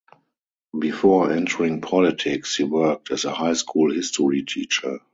Before entering politics, he worked as a high school history teacher.